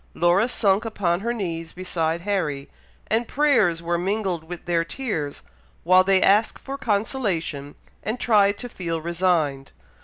Laura sunk upon her knees beside Harry, and prayers were mingled with their tears, while they asked for consolation, and tried to feel resigned.